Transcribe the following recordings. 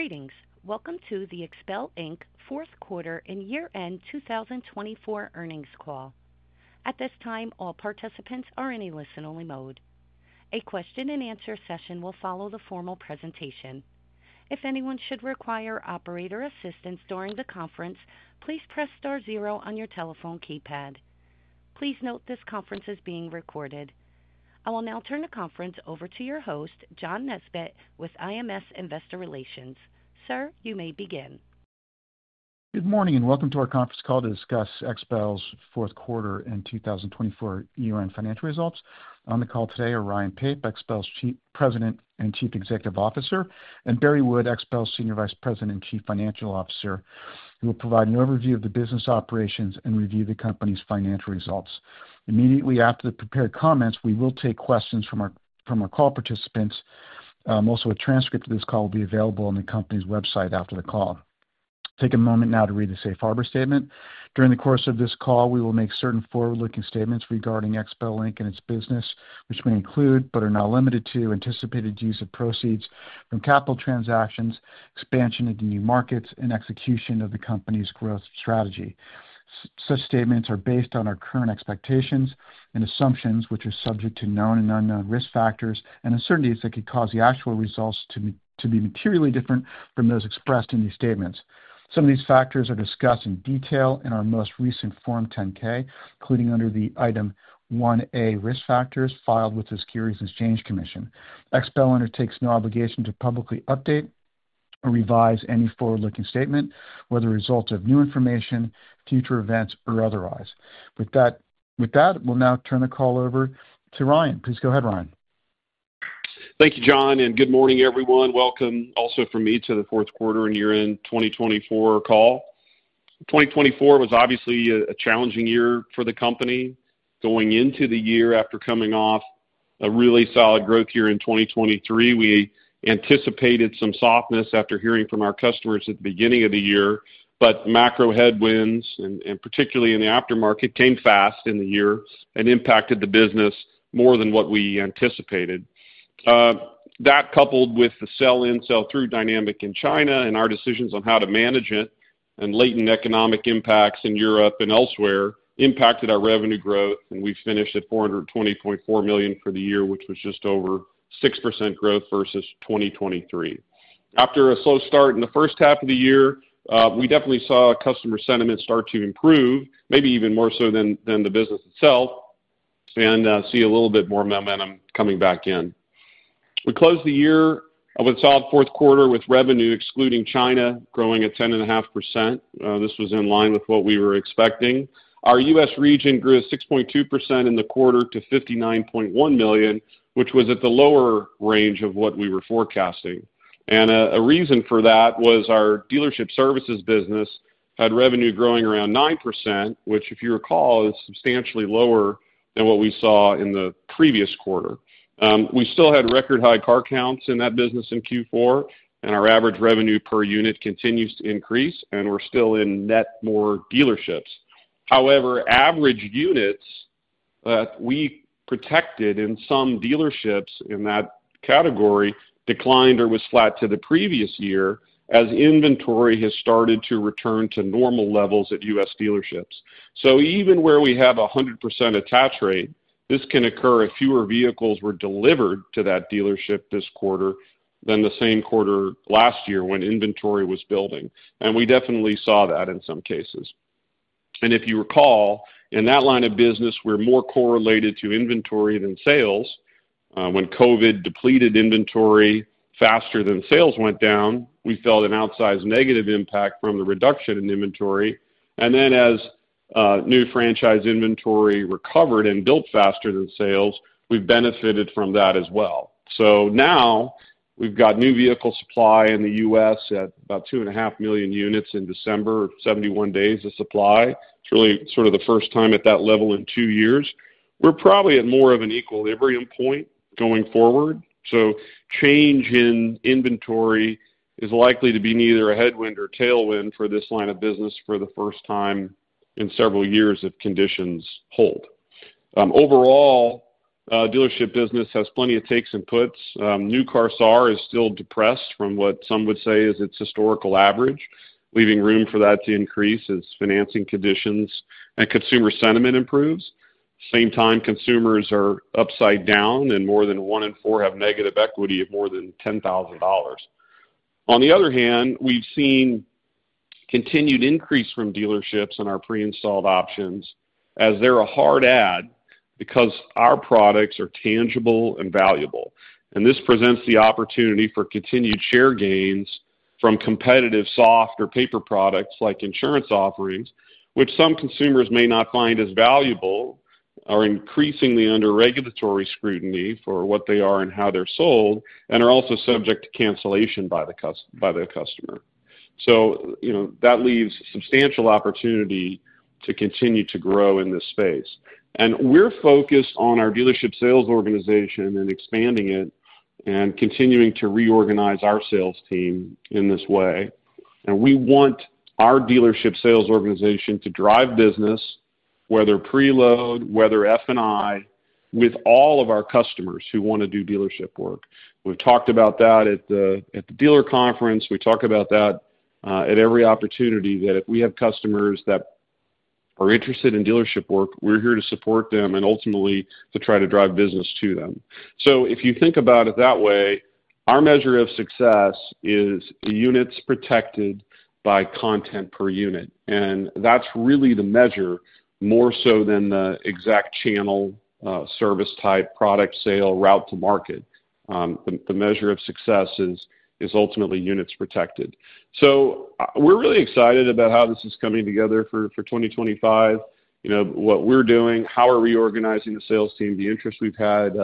Greetings. Welcome to the XPEL Inc. Fourth Quarter and Year-End 2024 earnings call. At this time, all participants are in a listen-only mode. A question-and-answer session will follow the formal presentation. If anyone should require operator assistance during the conference, please press star zero on your telephone keypad. Please note this conference is being recorded. I will now turn the conference over to your host, John Nesbett, with IMS Investor Relations. Sir, you may begin. Good morning and welcome to our conference call to discuss XPEL's fourth quarter and 2024 year-end financial results. On the call today are Ryan Pape, XPEL's President and Chief Executive Officer, and Barry Wood, XPEL's Senior Vice President and Chief Financial Officer, who will provide an overview of the business operations and review the company's financial results. Immediately after the prepared comments, we will take questions from our call participants. Also, a transcript of this call will be available on the company's website after the call. Take a moment now to read the safe harbor statement. During the course of this call, we will make certain forward-looking statements regarding XPEL Inc. and its business, which may include but are not limited to anticipated use of proceeds from capital transactions, expansion into new markets, and execution of the company's growth strategy. Such statements are based on our current expectations and assumptions, which are subject to known and unknown risk factors and uncertainties that could cause the actual results to be materially different from those expressed in these statements. Some of these factors are discussed in detail in our most recent Form 10-K, including under the Item 1A risk factors filed with the Securities and Exchange Commission. XPEL undertakes no obligation to publicly update or revise any forward-looking statement, whether a result of new information, future events, or otherwise. With that, we'll now turn the call over to Ryan. Please go ahead, Ryan. Thank you, John, and good morning, everyone. Welcome also from me to the Fourth Quarter and Year-End 2024 call. 2024 was obviously a challenging year for the company going into the year after coming off a really solid growth year in 2023. We anticipated some softness after hearing from our customers at the beginning of the year, but macro headwinds, and particularly in the aftermarket, came fast in the year and impacted the business more than what we anticipated. That, coupled with the sell-in, sell-through dynamic in China and our decisions on how to manage it, and latent economic impacts in Europe and elsewhere impacted our revenue growth, and we finished at $420.4 million for the year, which was just over 6% growth versus 2023. After a slow start in the first half of the year, we definitely saw customer sentiment start to improve, maybe even more so than the business itself, and see a little bit more momentum coming back in. We closed the year with a solid fourth quarter with revenue, excluding China, growing at 10.5%. This was in line with what we were expecting. Our U.S. region grew 6.2% in the quarter to $59.1 million, which was at the lower range of what we were forecasting, and a reason for that was our dealership services business had revenue growing around 9%, which, if you recall, is substantially lower than what we saw in the previous quarter. We still had record-high car counts in that business in Q4, and our average revenue per unit continues to increase, and we're still in net more dealerships. However, average units that we protected in some dealerships in that category declined or were flat to the previous year as inventory has started to return to normal levels at U.S. dealerships. So even where we have a 100% attach rate, this can occur if fewer vehicles were delivered to that dealership this quarter than the same quarter last year when inventory was building. And we definitely saw that in some cases. And if you recall, in that line of business, we're more correlated to inventory than sales. When COVID depleted inventory faster than sales went down, we felt an outsized negative impact from the reduction in inventory. And then, as new franchise inventory recovered and built faster than sales, we've benefited from that as well. So now we've got new vehicle supply in the U.S. at about 2.5 million units in December, 71 days of supply. It's really sort of the first time at that level in two years. We're probably at more of an equilibrium point going forward. So change in inventory is likely to be neither a headwind nor a tailwind for this line of business for the first time in several years if conditions hold. Overall, dealership business has plenty of takes and puts. New cars are still depressed from what some would say is its historical average, leaving room for that to increase as financing conditions and consumer sentiment improves. At the same time, consumers are upside down, and more than one in four have negative equity of more than $10,000. On the other hand, we've seen continued increase from dealerships in our pre-installed options as they're a hard add because our products are tangible and valuable. And this presents the opportunity for continued share gains from competitive soft or paper products like insurance offerings, which some consumers may not find as valuable, are increasingly under regulatory scrutiny for what they are and how they're sold, and are also subject to cancellation by the customer. So that leaves substantial opportunity to continue to grow in this space. And we're focused on our dealership sales organization and expanding it and continuing to reorganize our sales team in this way. And we want our dealership sales organization to drive business, whether preload, whether F&I, with all of our customers who want to do dealership work. We've talked about that at the dealer conference. We talk about that at every opportunity that if we have customers that are interested in dealership work, we're here to support them and ultimately to try to drive business to them. So if you think about it that way, our measure of success is units protected by content per unit. And that's really the measure more so than the exact channel, service type, product sale, route to market. The measure of success is ultimately units protected. So we're really excited about how this is coming together for 2025, what we're doing, how we're reorganizing the sales team, the interest we've had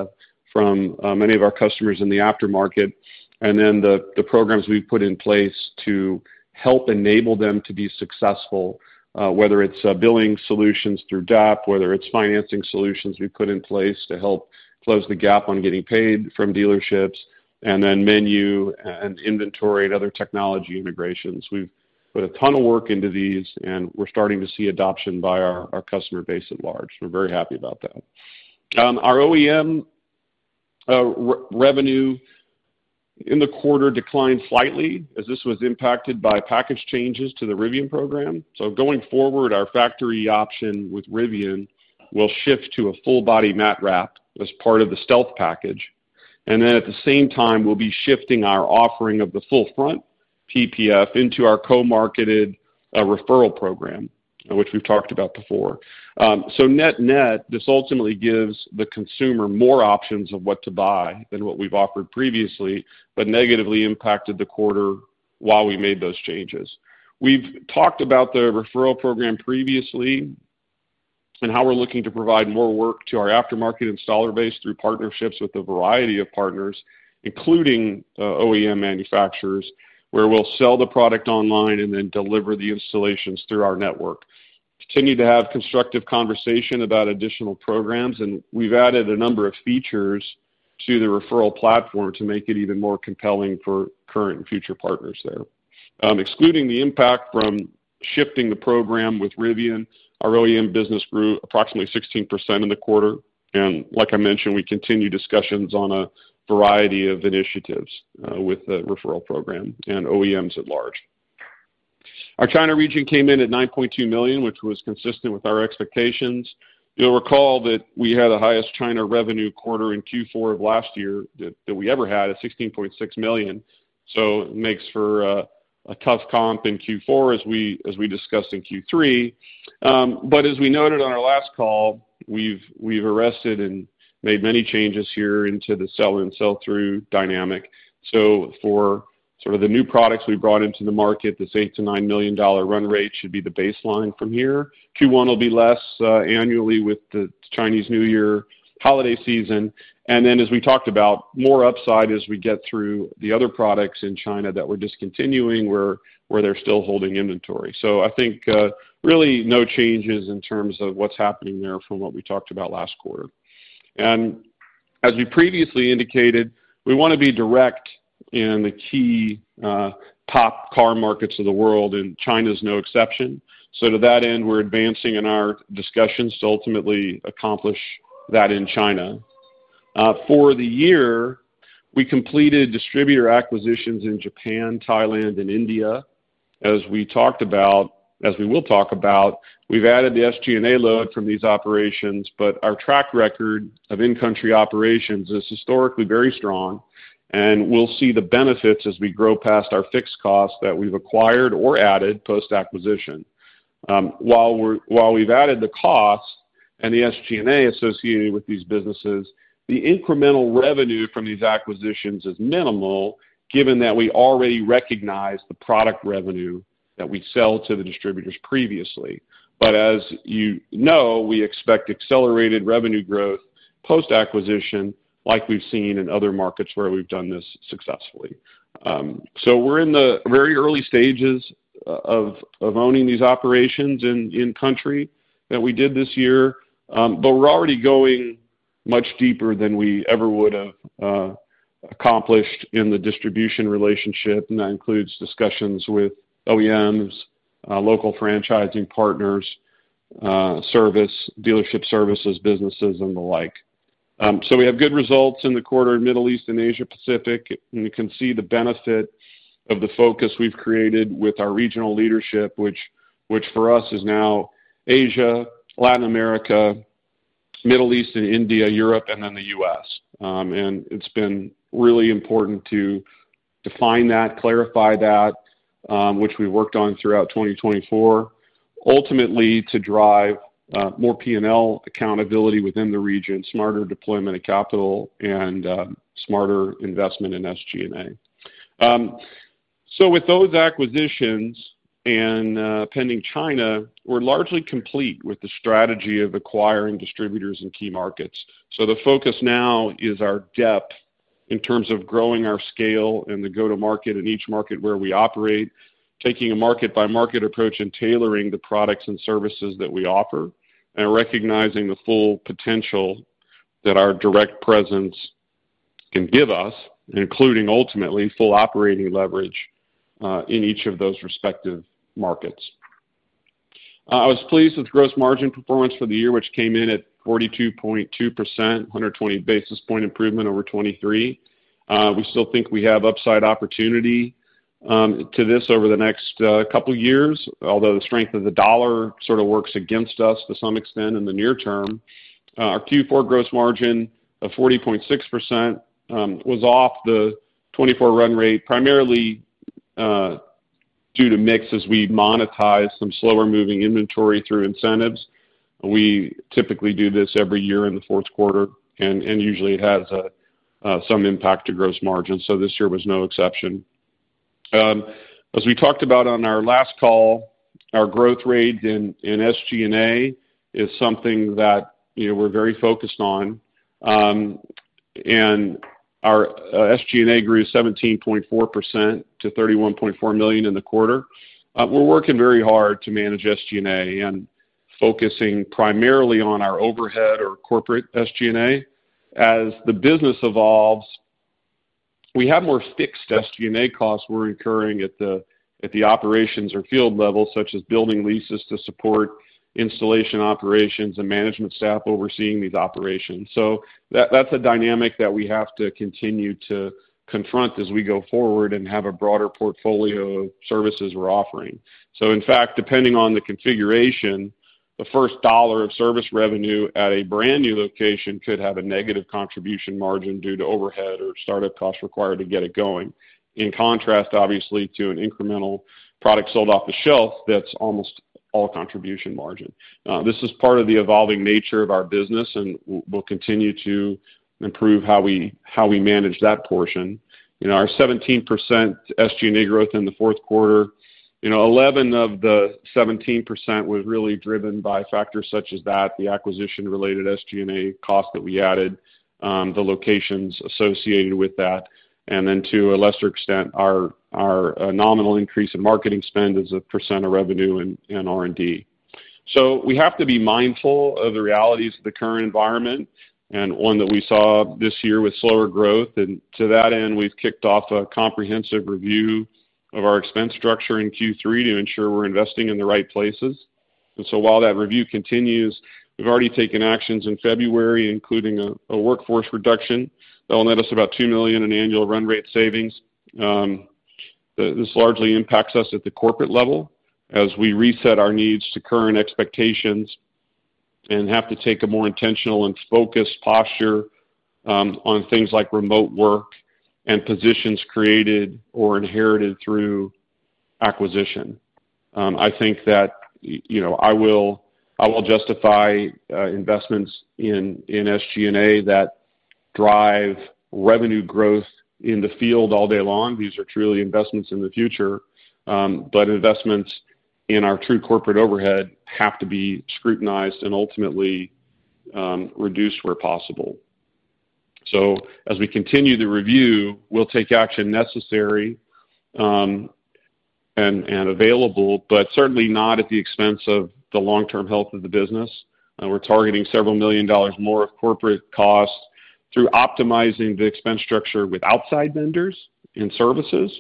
from many of our customers in the aftermarket, and then the programs we've put in place to help enable them to be successful, whether it's billing solutions through DAP, whether it's financing solutions we've put in place to help close the gap on getting paid from dealerships, and then menu and inventory and other technology integrations. We've put a ton of work into these, and we're starting to see adoption by our customer base at large. We're very happy about that. Our OEM revenue in the quarter declined slightly as this was impacted by package changes to the Rivian program. So going forward, our factory option with Rivian will shift to a full-body matte wrap as part of the Stealth package. And then at the same time, we'll be shifting our offering of the full-front PPF into our co-marketed referral program, which we've talked about before. So net-net, this ultimately gives the consumer more options of what to buy than what we've offered previously, but negatively impacted the quarter while we made those changes. We've talked about the referral program previously and how we're looking to provide more work to our aftermarket installer base through partnerships with a variety of partners, including OEM manufacturers, where we'll sell the product online and then deliver the installations through our network. Continue to have constructive conversation about additional programs, and we've added a number of features to the referral platform to make it even more compelling for current and future partners there. Excluding the impact from shifting the program with Rivian, our OEM business grew approximately 16% in the quarter, and like I mentioned, we continue discussions on a variety of initiatives with the referral program and OEMs at large. Our China region came in at $9.2 million, which was consistent with our expectations. You'll recall that we had the highest China revenue quarter in Q4 of last year that we ever had at $16.6 million, so it makes for a tough comp in Q4, as we discussed in Q3, but as we noted on our last call, we've arrested and made many changes here into the sell-in, sell-through dynamic. For sort of the new products we brought into the market, this $8 million-$9 million run rate should be the baseline from here. Q1 will be less annually with the Chinese New Year holiday season. And then, as we talked about, more upside as we get through the other products in China that we're discontinuing where they're still holding inventory. So I think really no changes in terms of what's happening there from what we talked about last quarter. And as we previously indicated, we want to be direct in the key top car markets of the world, and China is no exception. So to that end, we're advancing in our discussions to ultimately accomplish that in China. For the year, we completed distributor acquisitions in Japan, Thailand, and India. As we talked about, as we will talk about, we've added the SG&A load from these operations, but our track record of in-country operations is historically very strong, and we'll see the benefits as we grow past our fixed costs that we've acquired or added post-acquisition. While we've added the cost and the SG&A associated with these businesses, the incremental revenue from these acquisitions is minimal, given that we already recognize the product revenue that we sell to the distributors previously. But as you know, we expect accelerated revenue growth post-acquisition, like we've seen in other markets where we've done this successfully. So we're in the very early stages of owning these operations in country that we did this year, but we're already going much deeper than we ever would have accomplished in the distribution relationship, and that includes discussions with OEMs, local franchising partners, dealership services businesses, and the like. So we have good results in the quarter in the Middle East and Asia-Pacific, and you can see the benefit of the focus we've created with our regional leadership, which for us is now Asia, Latin America, Middle East and India, Europe, and then the U.S. And it's been really important to define that, clarify that, which we've worked on throughout 2024, ultimately to drive more P&L accountability within the region, smarter deployment of capital, and smarter investment in SG&A. So with those acquisitions and pending China, we're largely complete with the strategy of acquiring distributors in key markets. The focus now is our depth in terms of growing our scale and the go-to-market in each market where we operate, taking a market-by-market approach and tailoring the products and services that we offer, and recognizing the full potential that our direct presence can give us, including ultimately full operating leverage in each of those respective markets. I was pleased with gross margin performance for the year, which came in at 42.2%, 120 basis point improvement over 2023. We still think we have upside opportunity to this over the next couple of years, although the strength of the dollar sort of works against us to some extent in the near term. Our Q4 gross margin of 40.6% was off the 2024 run rate primarily due to mix as we monetize some slower-moving inventory through incentives. We typically do this every year in the fourth quarter, and usually it has some impact to gross margin. So this year was no exception. As we talked about on our last call, our growth rate in SG&A is something that we're very focused on. And our SG&A grew 17.4% to $31.4 million in the quarter. We're working very hard to manage SG&A and focusing primarily on our overhead or corporate SG&A. As the business evolves, we have more fixed SG&A costs we're incurring at the operations or field level, such as building leases to support installation operations and management staff overseeing these operations. So that's a dynamic that we have to continue to confront as we go forward and have a broader portfolio of services we're offering. So in fact, depending on the configuration, the first dollar of service revenue at a brand new location could have a negative contribution margin due to overhead or startup costs required to get it going, in contrast, obviously, to an incremental product sold off the shelf that's almost all contribution margin. This is part of the evolving nature of our business, and we'll continue to improve how we manage that portion. Our 17% SG&A growth in the fourth quarter, 11 of the 17% was really driven by factors such as that, the acquisition-related SG&A cost that we added, the locations associated with that, and then to a lesser extent, our nominal increase in marketing spend as a percent of revenue and R&D. So we have to be mindful of the realities of the current environment and one that we saw this year with slower growth. And to that end, we've kicked off a comprehensive review of our expense structure in Q3 to ensure we're investing in the right places. And so while that review continues, we've already taken actions in February, including a workforce reduction that will net us about $2 million in annual run rate savings. This largely impacts us at the corporate level as we reset our needs to current expectations and have to take a more intentional and focused posture on things like remote work and positions created or inherited through acquisition. I think that I will justify investments in SG&A that drive revenue growth in the field all day long. These are truly investments in the future, but investments in our true corporate overhead have to be scrutinized and ultimately reduced where possible. As we continue to review, we'll take action necessary and available, but certainly not at the expense of the long-term health of the business. We're targeting several million dollars more of corporate costs through optimizing the expense structure with outside vendors and services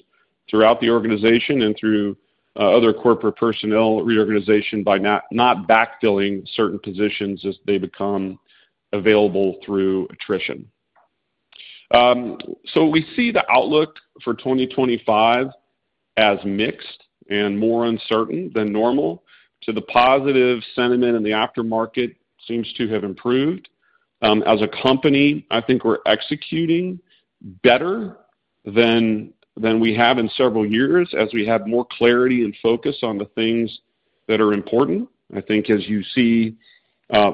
throughout the organization and through other corporate personnel reorganization by not backfilling certain positions as they become available through attrition. We see the outlook for 2025 as mixed and more uncertain than normal. To the positive sentiment in the aftermarket seems to have improved. As a company, I think we're executing better than we have in several years as we have more clarity and focus on the things that are important. I think as you see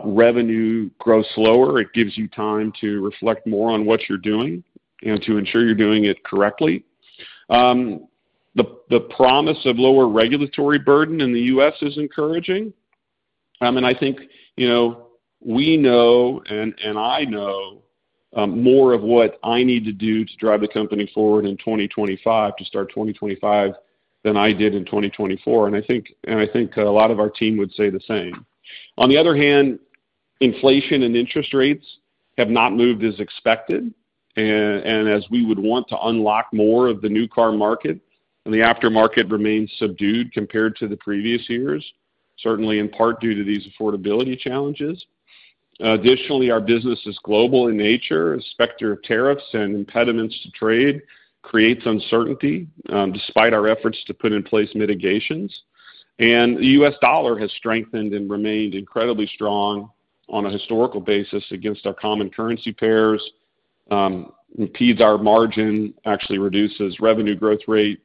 revenue grow slower, it gives you time to reflect more on what you're doing and to ensure you're doing it correctly. The promise of lower regulatory burden in the U.S. is encouraging. I mean, I think we know and I know more of what I need to do to drive the company forward in 2025, to start 2025 than I did in 2024. And I think a lot of our team would say the same. On the other hand, inflation and interest rates have not moved as expected. And as we would want to unlock more of the new car market, the aftermarket remains subdued compared to the previous years, certainly in part due to these affordability challenges. Additionally, our business is global in nature. The specter of tariffs and impediments to trade creates uncertainty despite our efforts to put in place mitigations. And the U.S. Dollar has strengthened and remained incredibly strong on a historical basis against our common currency pairs, impedes our margin, actually reduces revenue growth rate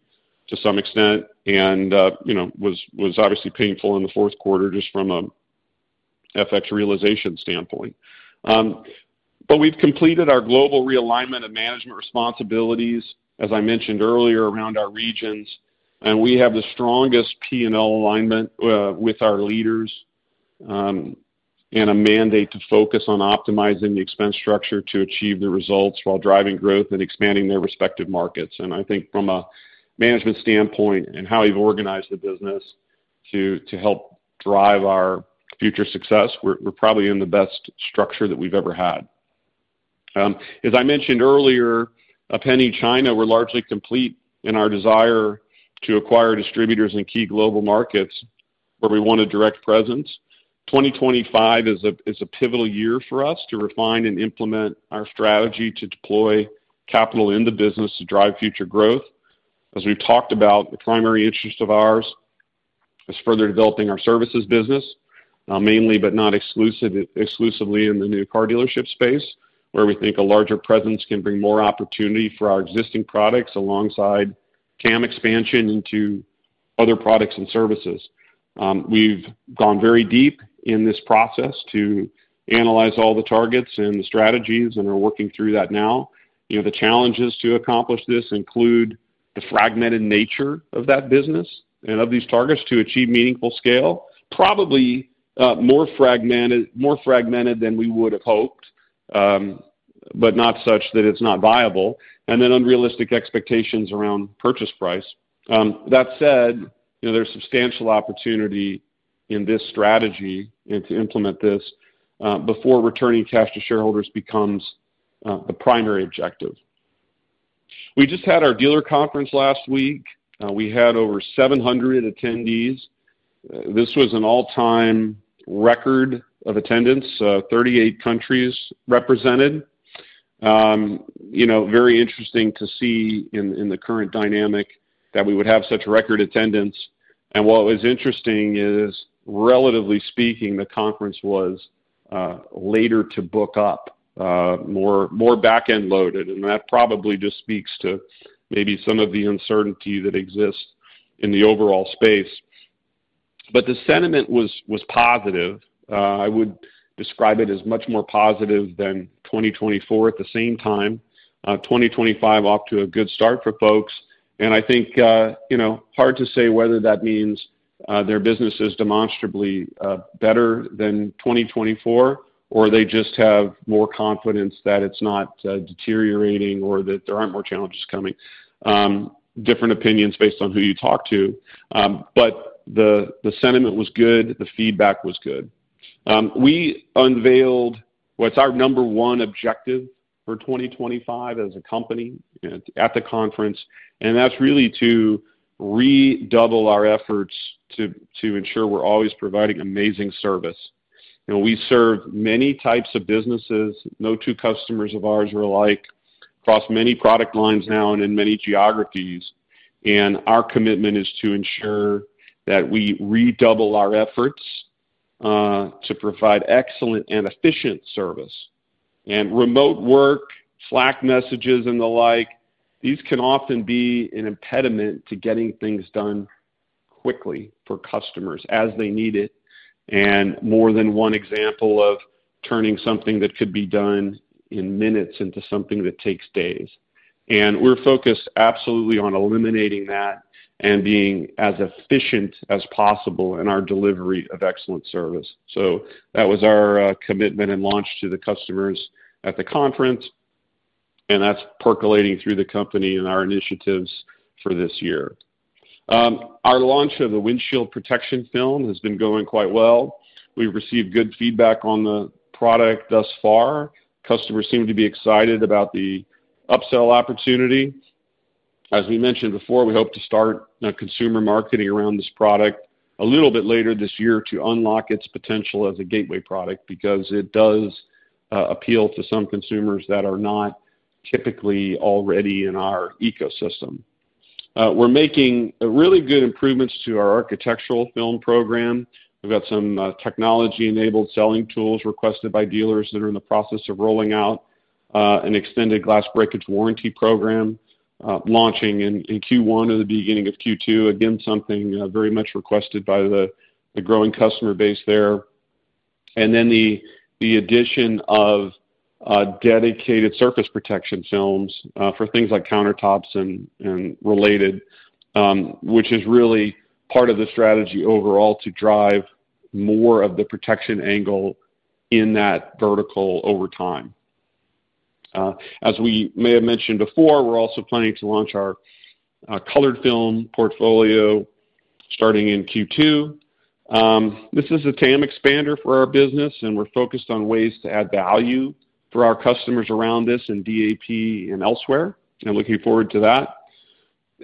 to some extent, and was obviously painful in the fourth quarter just from an FX realization standpoint. But we've completed our global realignment of management responsibilities, as I mentioned earlier, around our regions. And we have the strongest P&L alignment with our leaders and a mandate to focus on optimizing the expense structure to achieve the results while driving growth and expanding their respective markets. And I think from a management standpoint and how we've organized the business to help drive our future success, we're probably in the best structure that we've ever had. As I mentioned earlier, in China, we're largely complete in our desire to acquire distributors in key global markets where we want a direct presence. 2025 is a pivotal year for us to refine and implement our strategy to deploy capital in the business to drive future growth. As we've talked about, the primary interest of ours is further developing our services business, mainly, but not exclusively in the new car dealership space, where we think a larger presence can bring more opportunity for our existing products alongside CAM expansion into other products and services. We've gone very deep in this process to analyze all the targets and the strategies and are working through that now. The challenges to accomplish this include the fragmented nature of that business and of these targets to achieve meaningful scale, probably more fragmented than we would have hoped, but not such that it's not viable, and then unrealistic expectations around purchase price. That said, there's substantial opportunity in this strategy and to implement this before returning cash to shareholders becomes the primary objective. We just had our dealer conference last week. We had over 700 attendees. This was an all-time record of attendance, 38 countries represented. Very interesting to see in the current dynamic that we would have such record attendance. And what was interesting is, relatively speaking, the conference was later to book up, more back-end loaded. And that probably just speaks to maybe some of the uncertainty that exists in the overall space. But the sentiment was positive. I would describe it as much more positive than 2024 at the same time. 2025 off to a good start for folks. And I think hard to say whether that means their business is demonstrably better than 2024, or they just have more confidence that it's not deteriorating or that there aren't more challenges coming. Different opinions based on who you talk to. But the sentiment was good. The feedback was good. We unveiled what's our number one objective for 2025 as a company at the conference. And that's really to redouble our efforts to ensure we're always providing amazing service. We serve many types of businesses. No two customers of ours are alike across many product lines now and in many geographies. And our commitment is to ensure that we redouble our efforts to provide excellent and efficient service. And remote work, Slack messages, and the like, these can often be an impediment to getting things done quickly for customers as they need it, and more than one example of turning something that could be done in minutes into something that takes days. And we're focused absolutely on eliminating that and being as efficient as possible in our delivery of excellent service. So that was our commitment and launch to the customers at the conference. And that's percolating through the company and our initiatives for this year. Our launch of the windshield protection film has been going quite well. We've received good feedback on the product thus far. Customers seem to be excited about the upsell opportunity. As we mentioned before, we hope to start consumer marketing around this product a little bit later this year to unlock its potential as a gateway product because it does appeal to some consumers that are not typically already in our ecosystem. We're making really good improvements to our Architectural Film program. We've got some technology-enabled selling tools requested by dealers that are in the process of rolling out an extended glass breakage warranty program, launching in Q1 or the beginning of Q2, again, something very much requested by the growing customer base there, and then the addition of dedicated surface protection films for things like countertops and related, which is really part of the strategy overall to drive more of the protection angle in that vertical over time. As we may have mentioned before, we're also planning to launch our Colored Film portfolio starting in Q2. This is a TAM expander for our business, and we're focused on ways to add value for our customers around this in DAP and elsewhere, and looking forward to that.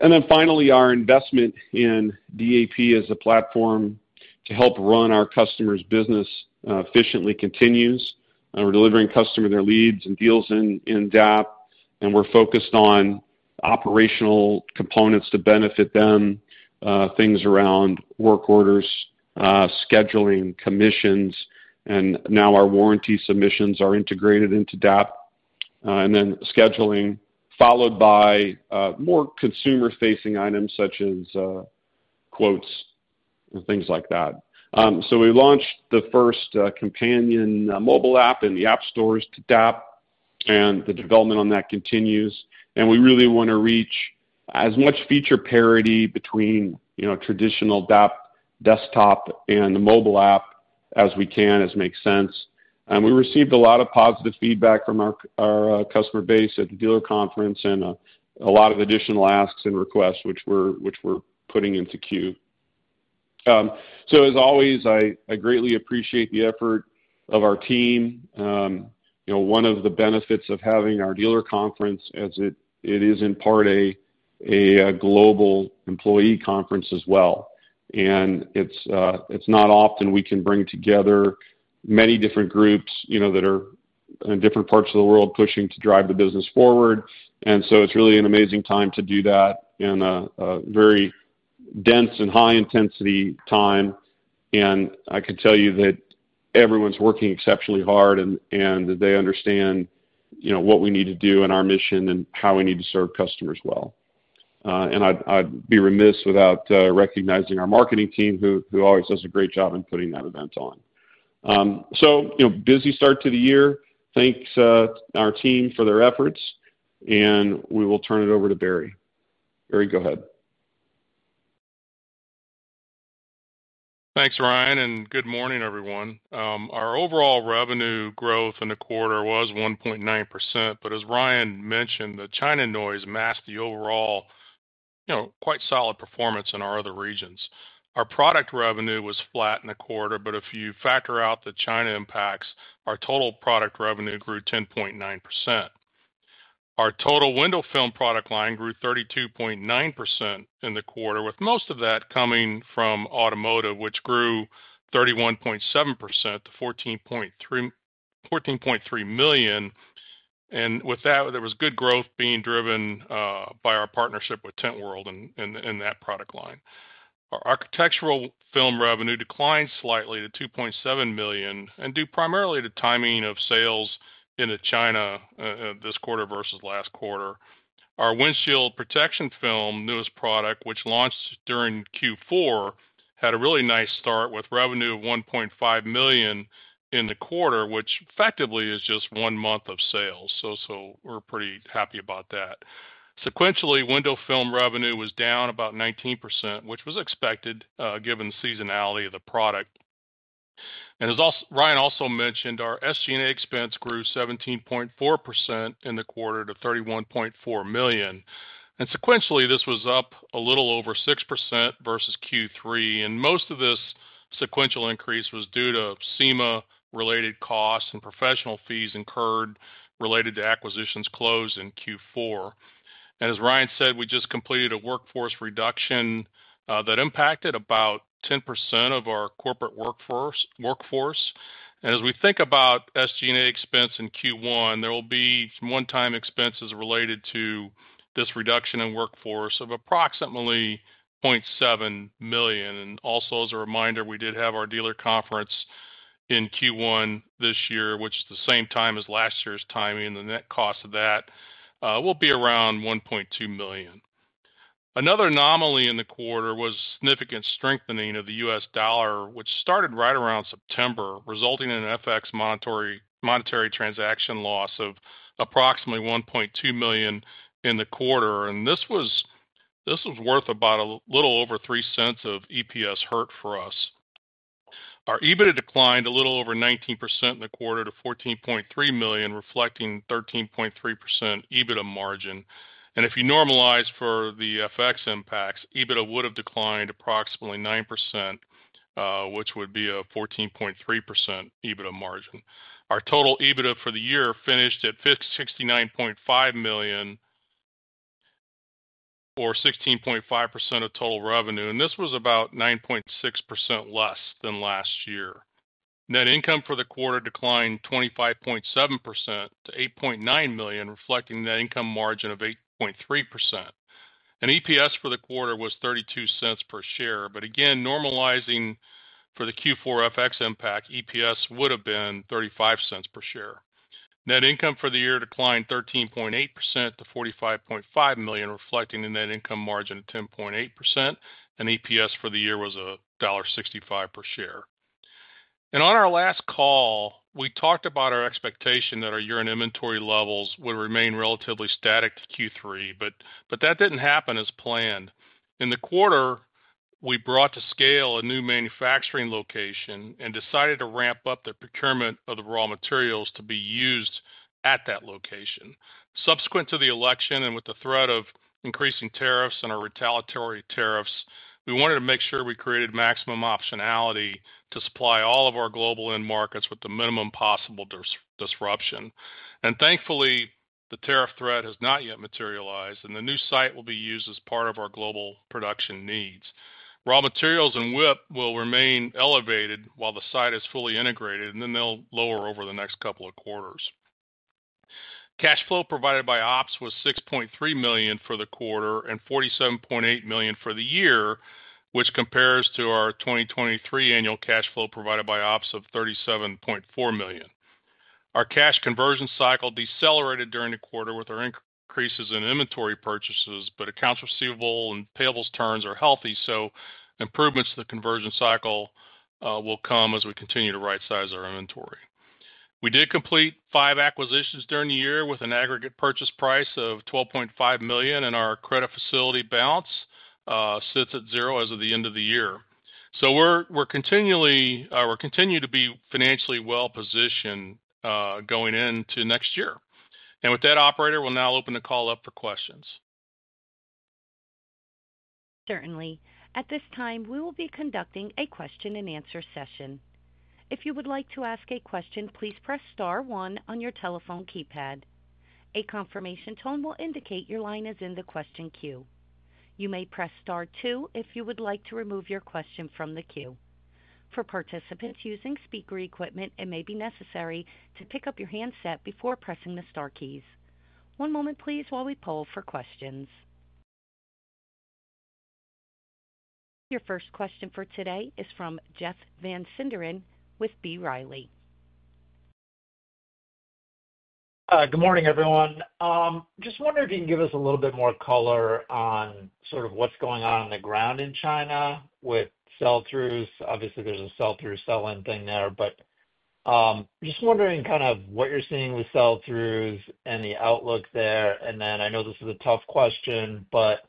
And then finally, our investment in DAP as a platform to help run our customers' business efficiently continues. We're delivering customers their leads and deals in DAP, and we're focused on operational components to benefit them, things around work orders, scheduling, commissions, and now our warranty submissions are integrated into DAP, and then scheduling followed by more consumer-facing items such as quotes and things like that. So we launched the first companion mobile app in the app stores to DAP, and the development on that continues. And we really want to reach as much feature parity between traditional DAP desktop and the mobile app as we can, as makes sense. And we received a lot of positive feedback from our customer base at the dealer conference and a lot of additional asks and requests, which we're putting into queue. So as always, I greatly appreciate the effort of our team. One of the benefits of having our dealer conference, as it is in part a global employee conference as well. And it's not often we can bring together many different groups that are in different parts of the world pushing to drive the business forward. And so it's really an amazing time to do that in a very dense and high-intensity time. And I can tell you that everyone's working exceptionally hard and that they understand what we need to do and our mission and how we need to serve customers well. And I'd be remiss without recognizing our marketing team who always does a great job in putting that event on. So busy start to the year. Thanks to our team for their efforts. And we will turn it over to Barry. Barry, go ahead. Thanks, Ryan. Good morning, everyone. Our overall revenue growth in the quarter was 1.9%, but as Ryan mentioned, the China noise masked the overall quite solid performance in our other regions. Our product revenue was flat in the quarter, but if you factor out the China impacts, our total product revenue grew 10.9%. Our total window film product line grew 32.9% in the quarter, with most of that coming from automotive, which grew 31.7% to $14.3 million, and with that, there was good growth being driven by our partnership with Tint World in that product line. Our architectural film revenue declined slightly to $2.7 million, due primarily to timing of sales in China this quarter versus last quarter. Our windshield protection film, newest product, which launched during Q4, had a really nice start with revenue of $1.5 million in the quarter, which effectively is just one month of sales. We're pretty happy about that. Sequentially, window film revenue was down about 19%, which was expected given the seasonality of the product. As Ryan also mentioned, our SG&A expense grew 17.4% in the quarter to $31.4 million. Sequentially, this was up a little over 6% versus Q3. Most of this sequential increase was due to SEMA-related costs and professional fees incurred related to acquisitions closed in Q4. As Ryan said, we just completed a workforce reduction that impacted about 10% of our corporate workforce. As we think about SG&A expense in Q1, there will be one-time expenses related to this reduction in workforce of approximately $0.7 million. Also, as a reminder, we did have our dealer conference in Q1 this year, which is the same time as last year's timing. The net cost of that will be around $1.2 million. Another anomaly in the quarter was significant strengthening of the U.S. dollar, which started right around September, resulting in an FX monetary transaction loss of approximately $1.2 million in the quarter, and this was worth about a little over $0.03 of EPS hurt for us. Our EBITDA declined a little over 19% in the quarter to $14.3 million, reflecting 13.3% EBITDA margin, and if you normalize for the FX impacts, EBITDA would have declined approximately 9%, which would be a 14.3% EBITDA margin. Our total EBITDA for the year finished at $69.5 million or 16.5% of total revenue, and this was about 9.6% less than last year. Net income for the quarter declined 25.7% to $8.9 million, reflecting net income margin of 8.3%, and EPS for the quarter was $0.32 per share, but again, normalizing for the Q4 FX impact, EPS would have been $0.35 per share. Net income for the year declined 13.8% to $45.5 million, reflecting a net income margin of 10.8%. EPS for the year was $1.65 per share. On our last call, we talked about our expectation that our year-end inventory levels would remain relatively static to Q3, but that didn't happen as planned. In the quarter, we brought to scale a new manufacturing location and decided to ramp up the procurement of the raw materials to be used at that location. Subsequent to the election and with the threat of increasing tariffs and our retaliatory tariffs, we wanted to make sure we created maximum optionality to supply all of our global end markets with the minimum possible disruption. Thankfully, the tariff threat has not yet materialized, and the new site will be used as part of our global production needs. Raw materials and WIP will remain elevated while the site is fully integrated, and then they'll lower over the next couple of quarters. Cash flow provided by ops was $6.3 million for the quarter and $47.8 million for the year, which compares to our 2023 annual cash flow provided by ops of $37.4 million. Our cash conversion cycle decelerated during the quarter with our increases in inventory purchases, but accounts receivable and payables turns are healthy, so improvements to the conversion cycle will come as we continue to right-size our inventory. We did complete five acquisitions during the year with an aggregate purchase price of $12.5 million, and our credit facility balance sits at zero as of the end of the year. So we're continuing to be financially well-positioned going into next year. And with that, operator, we'll now open the call up for questions. Certainly. At this time, we will be conducting a question-and-answer session. If you would like to ask a question, please press star one on your telephone keypad. A confirmation tone will indicate your line is in the question queue. You may press star two if you would like to remove your question from the queue. For participants using speaker equipment, it may be necessary to pick up your handset before pressing the star keys. One moment, please, while we poll for questions. Your first question for today is from Jeff Van Sinderen with B. Riley. Good morning, everyone. Just wondering if you can give us a little bit more color on sort of what's going on on the ground in China with sell-throughs. Obviously, there's a sell-through, sell-in thing there, but just wondering kind of what you're seeing with sell-throughs and the outlook there, and then I know this is a tough question, but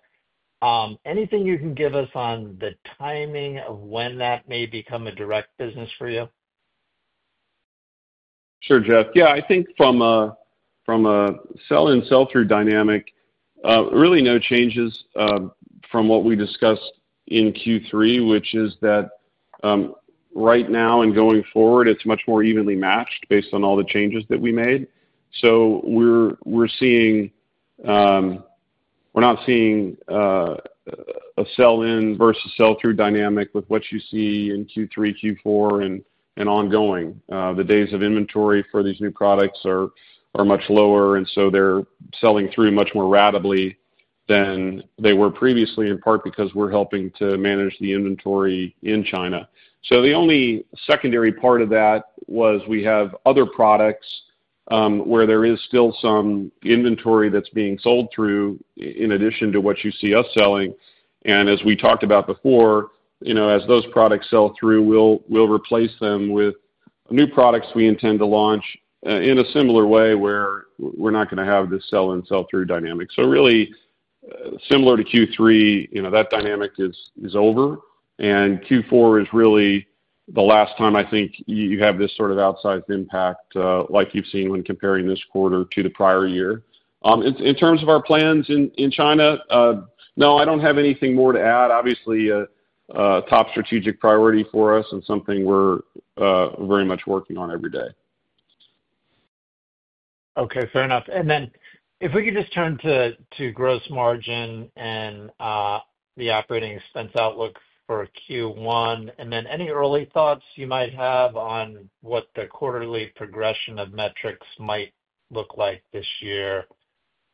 anything you can give us on the timing of when that may become a direct business for you? Sure, Jeff. Yeah, I think from a sell-in, sell-through dynamic, really no changes from what we discussed in Q3, which is that right now and going forward, it's much more evenly matched based on all the changes that we made. So we're not seeing a sell-in versus sell-through dynamic with what you see in Q3, Q4, and ongoing. The days of inventory for these new products are much lower, and so they're selling through much more rapidly than they were previously, in part because we're helping to manage the inventory in China. So the only secondary part of that was we have other products where there is still some inventory that's being sold through in addition to what you see us selling. And as we talked about before, as those products sell-through, we'll replace them with new products we intend to launch in a similar way where we're not going to have this sell-in, sell-through dynamic. So really similar to Q3, that dynamic is over. And Q4 is really the last time, I think, you have this sort of outsized impact like you've seen when comparing this quarter to the prior year. In terms of our plans in China, no, I don't have anything more to add. Obviously, a top strategic priority for us and something we're very much working on every day. Okay. Fair enough. And then if we could just turn to gross margin and the operating expense outlook for Q1, and then any early thoughts you might have on what the quarterly progression of metrics might look like this year.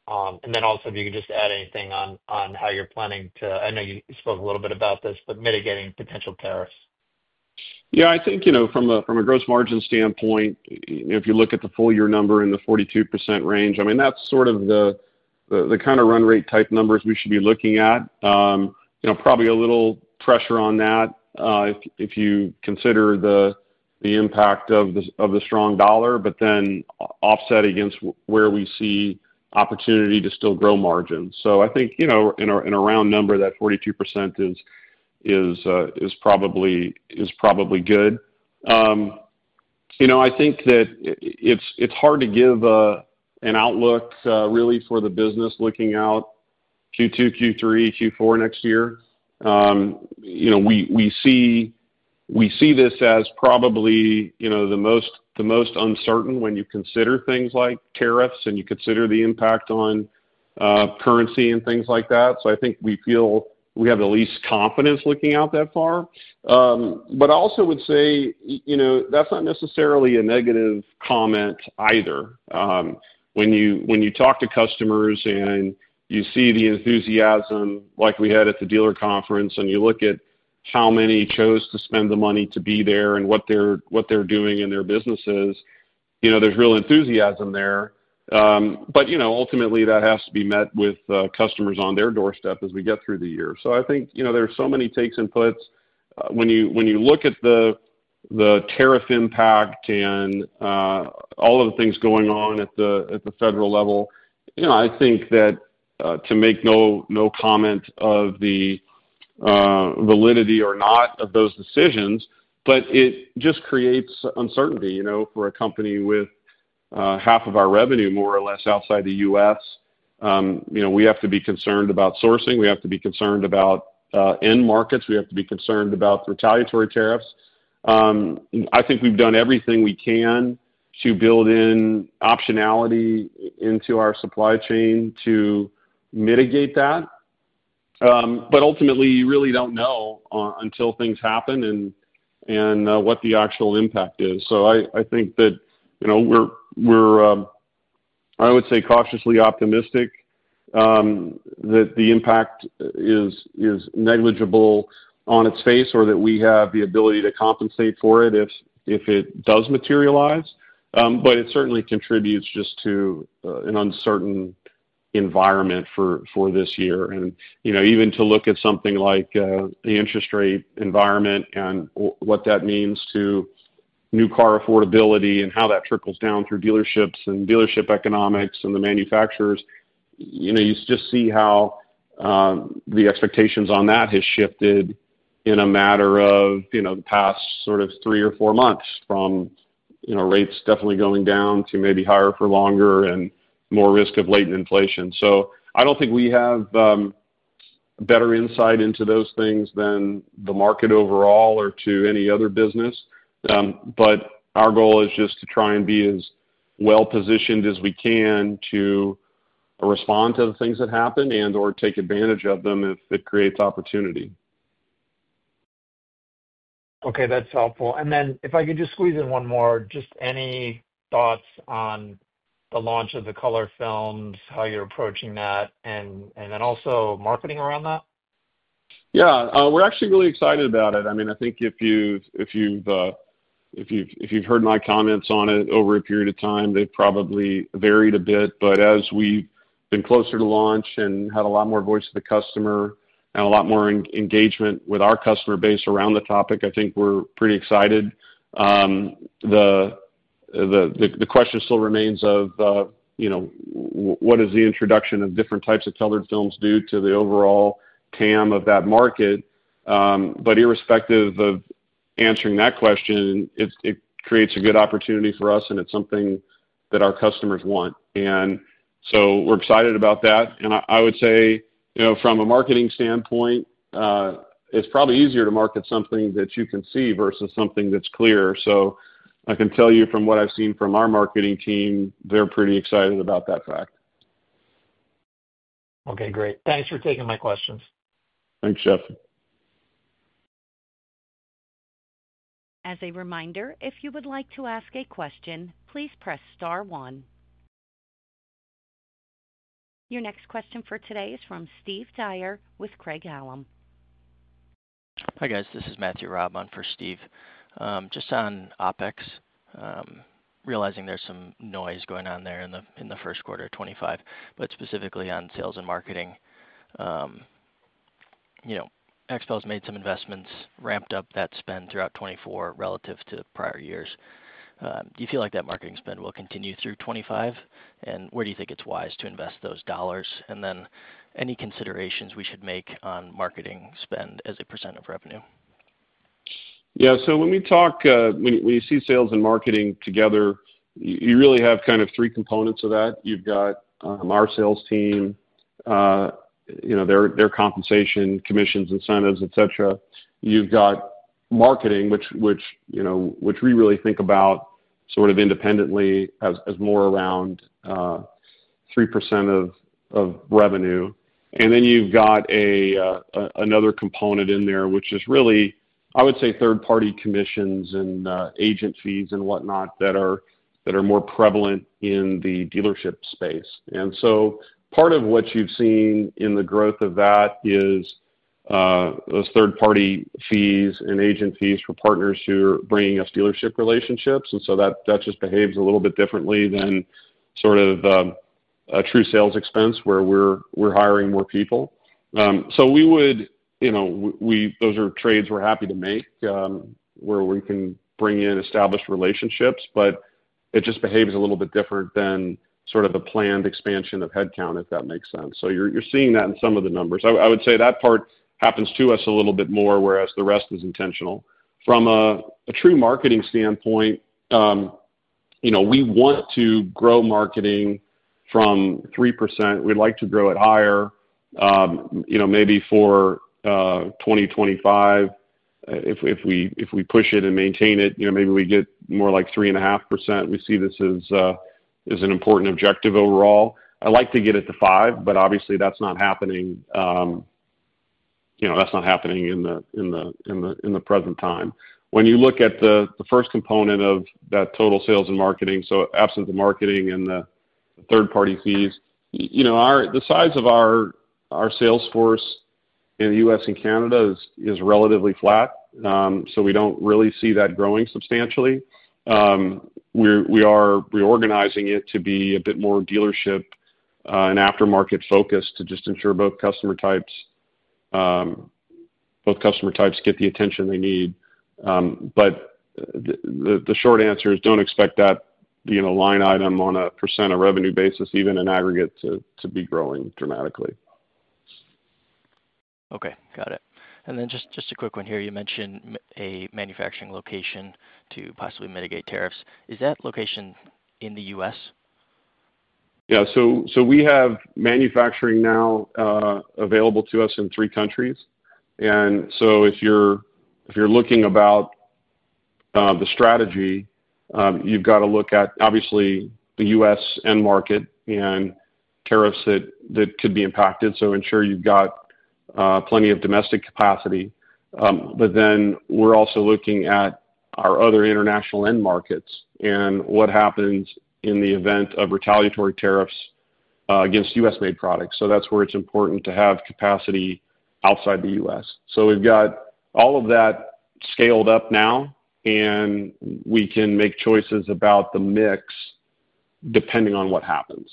And then also, if you could just add anything on how you're planning to, I know you spoke a little bit about this, but mitigating potential tariffs. Yeah, I think from a gross margin standpoint, if you look at the full year number in the 42% range, I mean, that's sort of the kind of run rate type numbers we should be looking at. Probably a little pressure on that if you consider the impact of the strong dollar, but then offset against where we see opportunity to still grow margins. So I think in a round number, that 42% is probably good. I think that it's hard to give an outlook really for the business looking out Q2, Q3, Q4 next year. We see this as probably the most uncertain when you consider things like tariffs and you consider the impact on currency and things like that. So I think we feel we have the least confidence looking out that far. But I also would say that's not necessarily a negative comment either. When you talk to customers and you see the enthusiasm like we had at the dealer conference, and you look at how many chose to spend the money to be there and what they're doing in their businesses, there's real enthusiasm there. But ultimately, that has to be met with customers on their doorstep as we get through the year. So I think there are so many takes and puts. When you look at the tariff impact and all of the things going on at the federal level, I think that to make no comment of the validity or not of those decisions, but it just creates uncertainty for a company with half of our revenue more or less outside the U.S. We have to be concerned about sourcing. We have to be concerned about end markets. We have to be concerned about retaliatory tariffs. I think we've done everything we can to build in optionality into our supply chain to mitigate that. But ultimately, you really don't know until things happen and what the actual impact is. So I think that we're, I would say, cautiously optimistic that the impact is negligible on its face or that we have the ability to compensate for it if it does materialize. But it certainly contributes just to an uncertain environment for this year. And even to look at something like the interest rate environment and what that means to new car affordability and how that trickles down through dealerships and dealership economics and the manufacturers, you just see how the expectations on that have shifted in a matter of the past sort of three or four months from rates definitely going down to maybe higher for longer and more risk of latent inflation. So I don't think we have better insight into those things than the market overall or to any other business. But our goal is just to try and be as well-positioned as we can to respond to the things that happen and/or take advantage of them if it creates opportunity. Okay. That's helpful. And then if I could just squeeze in one more, just any thoughts on the launch of the color films, how you're approaching that, and then also marketing around that? Yeah. We're actually really excited about it. I mean, I think if you've heard my comments on it over a period of time, they've probably varied a bit. But as we've been closer to launch and had a lot more voice of the customer and a lot more engagement with our customer base around the topic, I think we're pretty excited. The question still remains of what does the introduction of different types of colored films do to the overall TAM of that market. But irrespective of answering that question, it creates a good opportunity for us, and it's something that our customers want. And so we're excited about that. And I would say from a marketing standpoint, it's probably easier to market something that you can see versus something that's clear. So I can tell you from what I've seen from our marketing team, they're pretty excited about that fact. Okay. Great. Thanks for taking my questions. Thanks, Jeff. As a reminder, if you would like to ask a question, please press star one. Your next question for today is from Steve Dyer with Craig-Hallum. Hi guys. This is Matthew Robb on for Steve. Just on OpEx, realizing there's some noise going on there in the first quarter of 2025, but specifically on sales and marketing. XPEL's made some investments, ramped up that spend throughout 2024 relative to prior years. Do you feel like that marketing spend will continue through 2025? And where do you think it's wise to invest those dollars? And then any considerations we should make on marketing spend as a % of revenue? Yeah. So when we talk, when you see sales and marketing together, you really have kind of three components of that. You've got our sales team, their compensation, commissions, incentives, etc. You've got marketing, which we really think about sort of independently as more around 3% of revenue. And then you've got another component in there, which is really, I would say, third-party commissions and agent fees and whatnot that are more prevalent in the dealership space. And so part of what you've seen in the growth of that is those third-party fees and agent fees for partners who are bringing us dealership relationships. And so that just behaves a little bit differently than sort of a true sales expense where we're hiring more people. So we would, those are trades we're happy to make where we can bring in established relationships, but it just behaves a little bit different than sort of the planned expansion of headcount, if that makes sense. So you're seeing that in some of the numbers. I would say that part happens to us a little bit more, whereas the rest is intentional. From a true marketing standpoint, we want to grow marketing from 3%. We'd like to grow it higher, maybe for 2025. If we push it and maintain it, maybe we get more like 3.5%. We see this as an important objective overall. I'd like to get it to 5%, but obviously, that's not happening. That's not happening in the present time. When you look at the first component of that total sales and marketing, so absence of marketing and the third-party fees, the size of our sales force in the U.S. and Canada is relatively flat. So we don't really see that growing substantially. We are reorganizing it to be a bit more dealership and aftermarket focused to just ensure both customer types get the attention they need. But the short answer is don't expect that line item on a % of revenue basis, even in aggregate, to be growing dramatically. Okay. Got it, and then just a quick one here. You mentioned a manufacturing location to possibly mitigate tariffs. Is that location in the U.S.? Yeah. So we have manufacturing now available to us in three countries. And so if you're looking about the strategy, you've got to look at, obviously, the U.S. end market and tariffs that could be impacted. So ensure you've got plenty of domestic capacity. But then we're also looking at our other international end markets and what happens in the event of retaliatory tariffs against U.S.-made products. So that's where it's important to have capacity outside the U.S. So we've got all of that scaled up now, and we can make choices about the mix depending on what happens.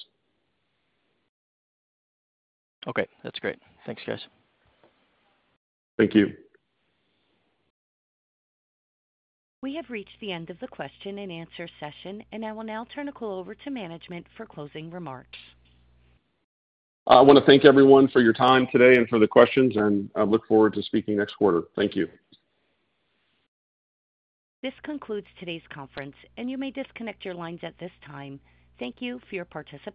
Okay. That's great. Thanks, guys. Thank you. We have reached the end of the question and answer session, and I will now turn the call over to management for closing remarks. I want to thank everyone for your time today and for the questions, and I look forward to speaking next quarter. Thank you. This concludes today's conference, and you may disconnect your lines at this time. Thank you for your participation.